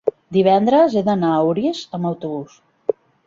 divendres he d'anar a Orís amb autobús.